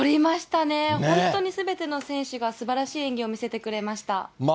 本当にすべての選手がすばらしい演技を見せてくれました。